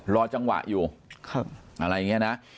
รอจังหวะอยู่อะไรอย่างนี้นะ